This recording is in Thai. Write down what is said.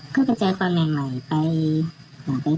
แล้วเค้าก็คุยกันก่อน